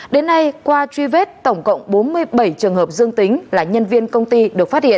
đến nay qua truy vết tổng cộng bốn mươi bảy trường hợp dương tính là nhân viên công ty được phát hiện